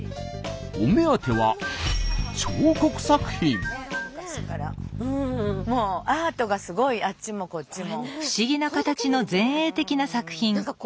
お目当てはアートがすごいあっちもこっちも。